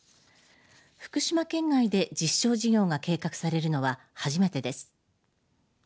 福島県外で実証事業が計画されるのは初めてです。